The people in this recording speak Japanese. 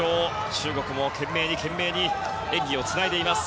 中国も懸命に懸命に演技をつないでいます。